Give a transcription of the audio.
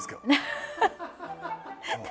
ハハハハ！